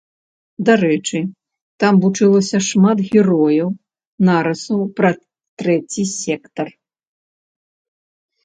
Дарэчы, там вучылася шмат герояў нарысаў пра трэці сектар.